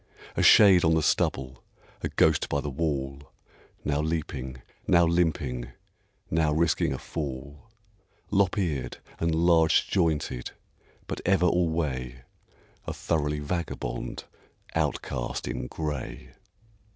A shade on the stubble, a ghost by the wall, Now leaping, now limping, now risking a fall, Lop eared and large jointed, but ever alway A thoroughly vagabond outcast in gray.